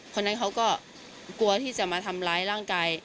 คนนั้นเขาก็กลัวที่จะมาทำร้ายร่างกาย